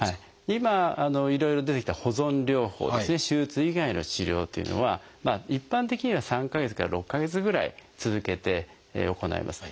今いろいろ出てきた保存療法ですね手術以外の治療というのは一般的には３か月から６か月ぐらい続けて行います。